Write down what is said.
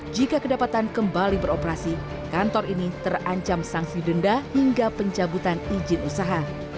jika kedapatan kembali beroperasi kantor ini terancam sanksi denda hingga pencabutan izin usaha